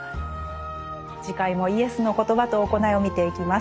次回もイエスの言葉と行いを見ていきます。